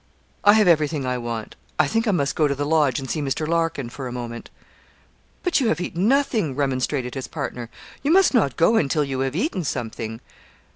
I have everything I want. I think I must go to the Lodge and see Mr. Larkin, for a moment.' 'But you have eaten nothing,' remonstrated his partner; 'you must not go until you have eaten something.'